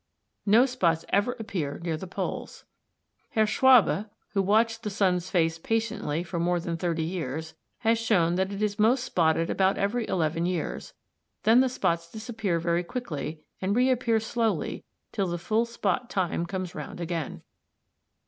No spots ever appear near the poles. Herr Schwabe, who watched the sun's face patiently for more than thirty years, has shown that it is most spotted about every eleven years, then the spots disappear very quickly and reappear slowly till the full spot time comes round again.